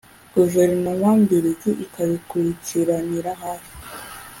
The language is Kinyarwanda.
guverinoma mbiligi ikabikurikiranira hafi